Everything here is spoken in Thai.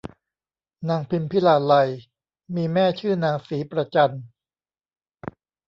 นางพิมพิลาไลยมีแม่ชื่อนางศรีประจัน